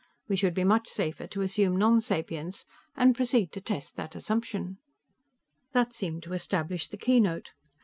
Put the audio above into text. We would be much safer to assume nonsapience and proceed to test that assumption." That seemed to establish the keynote.